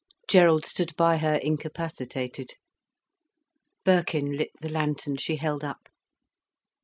Gerald stood by her, incapacitated. Birkin lit the lantern she held up.